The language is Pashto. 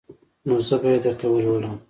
نو زه به يې درته ولولم.